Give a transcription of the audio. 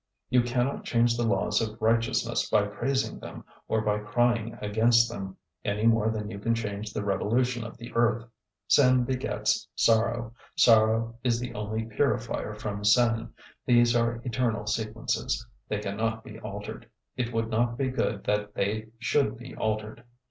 You cannot change the laws of righteousness by praising them, or by crying against them, any more than you can change the revolution of the earth. Sin begets sorrow, sorrow is the only purifier from sin; these are eternal sequences; they cannot be altered; it would not be good that they should be altered.